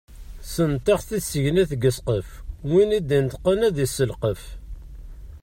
Ssentaɣ tisegnit deg ssqef, win i d-ineṭqen ad isselqef.